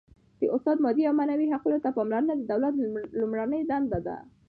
د استاد مادي او معنوي حقوقو ته پاملرنه د دولت لومړنۍ دنده ده.